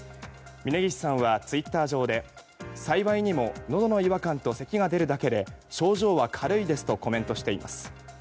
峯岸さんはツイッター上で幸いにものどの違和感とせきが出るだけで症状は軽いですとコメントしています。